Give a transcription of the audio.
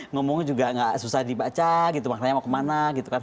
ngomongnya juga gak susah dibaca gitu maknanya mau kemana gitu kan